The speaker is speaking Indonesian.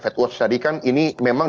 tadi ini memang